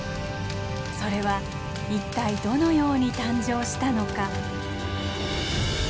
それは一体どのように誕生したのか。